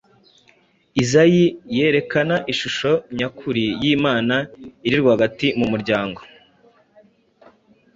Izayi yerekana ishusho nyakuri y‟Imana iri rwagati mu muryango.